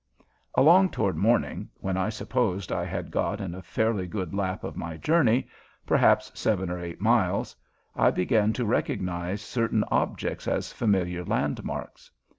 Along toward morning, when I supposed I had got in a fairly good lap of my journey perhaps seven or eight miles I began to recognize certain objects as familiar landmarks.